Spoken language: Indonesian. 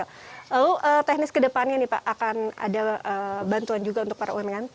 lalu teknis ke depannya nih pak akan ada bantuan juga untuk para umkm